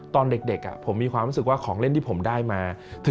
ตอนเด็กผมมีความรู้สึกว่าของเล่นที่ผมได้มา